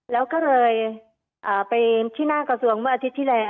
แล้วก็เลยไปที่หน้ากระทรวงเมื่ออาทิตย์ที่แล้ว